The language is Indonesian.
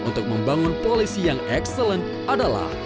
untuk membangun polisi yang excellent adalah